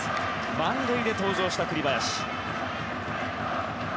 満塁で登場した栗林。